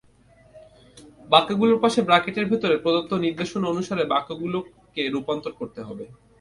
বাক্যগুলোর পাশে ব্রাকেটের ভেতরে প্রদত্ত নির্দেশনা অনুসারে বাক্যগুলোকে রূপান্তর করতে হবে।